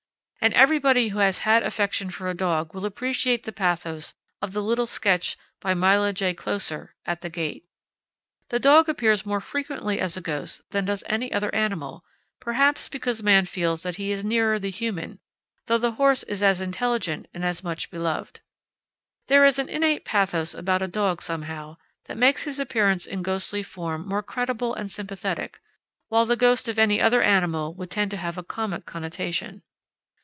And everybody who has had affection for a dog will appreciate the pathos of the little sketch, by Myla J. Closser, At the Gate. The dog appears more frequently as a ghost than does any other animal, perhaps because man feels that he is nearer the human, though the horse is as intelligent and as much beloved. There is an innate pathos about a dog somehow, that makes his appearance in ghostly form more credible and sympathetic, while the ghost of any other animal would tend to have a comic connotation.